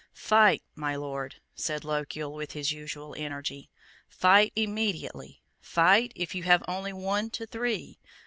"Fight, my Lord" said Lochiel with his usual energy; "fight immediately: fight, if you have only one to three.